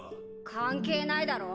関係ないだろ。